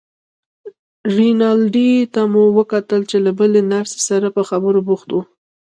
رینالډي ته مو وکتل چې له بلې نرسې سره په خبرو بوخت و.